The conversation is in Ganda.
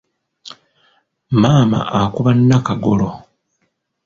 Maama akuba Nnakagolo.